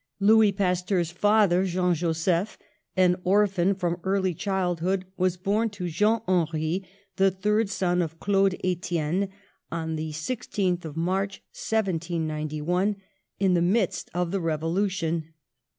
Louis Pasteur's father, Jean Joseph, an or phan from early childhood, was born to Jean Henri, the third son of Claude Etienne, on the 16th of March, 1791, in the midst of the Revo lution.